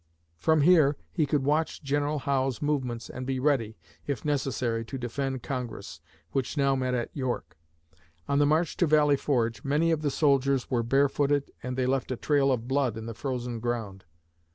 From here, he could watch General Howe's movements and be ready, if necessary, to defend Congress, which now met at York. On the march to Valley Forge, many of the soldiers were barefooted and they left a trail of blood on the frozen ground.